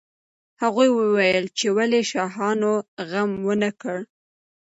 هغوی وویل چې ولې شاهانو غم ونه کړ.